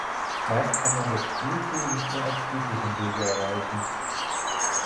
Meist kann man das Spielziel nicht nur auf friedlichem Wege erreichen.